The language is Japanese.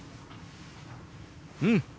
うん！